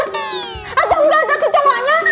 atau enggak ada kecomanya